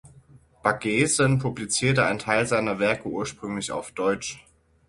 Baggesen publizierte ein Teil seiner Werke ursprünglich auf Deutsch.